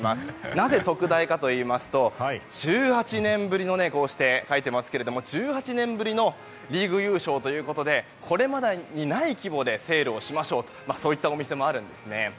なぜ特大かといいますと１８年ぶりのリーグ優勝ということでこれまでにない規模でセールをしましょうとそういったお店もあるんですね。